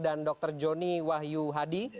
dan dr joni wahyu hadi